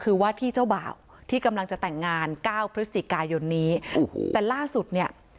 คือว่าที่เจ้าบ่าวที่กำลังจะแต่งงานเก้าพฤศจิกายนนี้โอ้โหแต่ล่าสุดเนี่ย